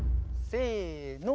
せの。